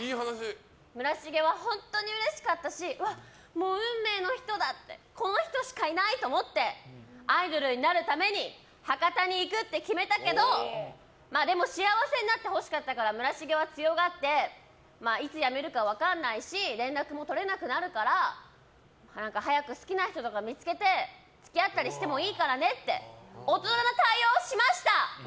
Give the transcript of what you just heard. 村重は本当にうれしかったしもう、運命の人だこの人しかいないって思ってアイドルになるために博多に行くって決めたけどでも幸せになってほしかったから村重は強がってまあ、いつ辞めるか分かんないし連絡も取れなくなるから早く好きな人とか見つけて付き合ったりしてもいいからねって大人の対応をしました。